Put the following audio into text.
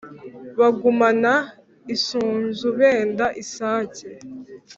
Bagumana isunzu benda isake!